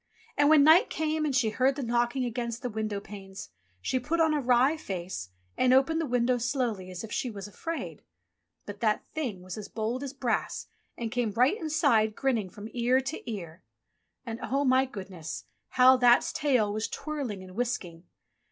And when night came and she heard that knocking against the window panes, she put on a wry face, and opened the window slowly as if she was afraid. But That thing was as bold as brass and came right inside, grinning from ear to ear. And oh, my goodness ! how That's tail was twirling and whisking